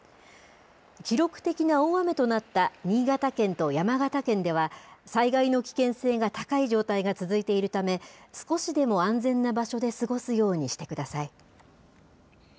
記録的な大雨となった新潟県と山形県では、災害の危険性が高い状態が続いているため、少しでも安全な場所で過ごすようにしてください。